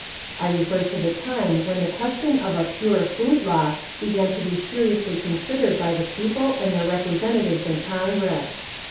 I refer to the time when the question of a Pure Food Law began to be seriously considered by the people and their representatives in Congress.